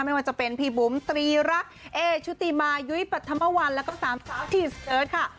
ไม่ว่าจะเป็นพี่บุ๋มตรีรักเอชุติมายุ้ยปรัฐมวัลแล้วก็สามสาวทีเอิร์ทค่ะ